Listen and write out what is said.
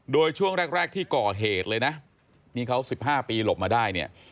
โดยช่วงแรกที่ก่อเหตุเลยนะนี่เขา๑๕ปีหลบมาได้เนี่ย